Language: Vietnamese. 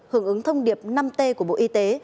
hưởng ứng thông điệp năm t của bộ y tế